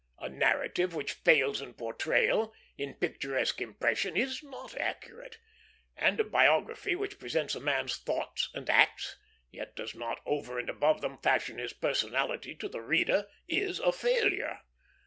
A narrative which fails in portrayal, in picturesque impression, is not accurate; and a biography which presents a man's thoughts and acts, yet does not over and above them fashion his personality to the reader, is a failure.